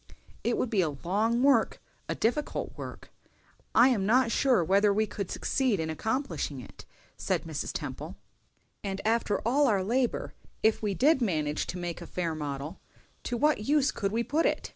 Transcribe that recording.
"It would be a long work—a difficult work; I am not sure whether we could succeed in accomplishing it," said Mrs. Temple. "And after all our labor, if we did manage to make a fair model, to what use could we put it?